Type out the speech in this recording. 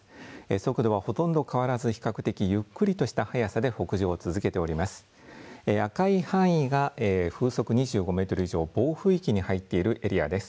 速度はほとんど変わらず比較的ゆっくりとした速さで北上を続けています。